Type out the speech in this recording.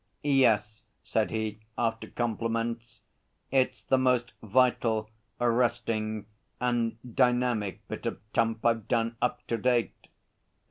'Yes,' said he, after compliments. 'It's the most vital, arresting and dynamic bit of tump I've done up to date.